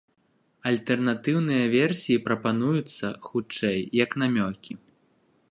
Альтэрнатыўныя версіі прапануюцца, хутчэй, як намёкі.